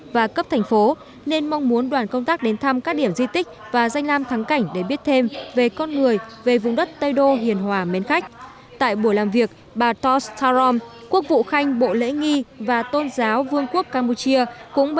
và cũng là cửa hàng cung cấp xăng dầu cho khối văn phòng trung ương